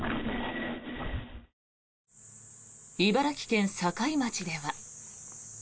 茨城県境町では。